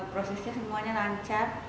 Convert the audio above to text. prosesnya semuanya lancar